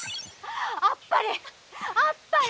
あっぱれあっぱれ！」。